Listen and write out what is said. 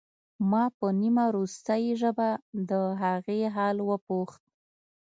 ما په نیمه روسۍ ژبه د هغې حال وپوښت